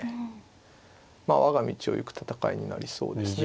まあ我が道を行く戦いになりそうですね。